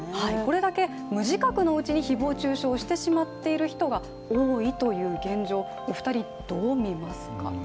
これだけ無自覚のうちに誹謗中傷をしてしまっている人が多いという現状、お二人、どう見ますか。